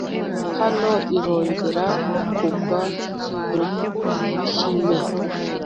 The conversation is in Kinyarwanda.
Hano irongera kugwa mu kime